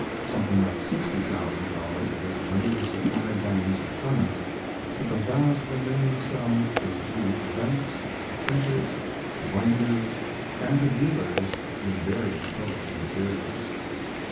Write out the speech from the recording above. Something like sixty thousand dollars of this was money supplied by Mrs. Clemens, but the vast remaining sum was due to banks, to printers, to binders, and to dealers in various publishing materials.